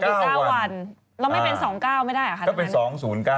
เก้าวันแล้วไม่เป็นสองเก้าไม่ได้อ่ะค่ะก็เป็นสองศูนย์